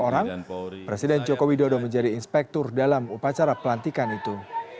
dua orang presiden joko widodo menjadi inspektur dalam upacara pelantikan itu